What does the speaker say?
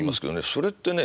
それってね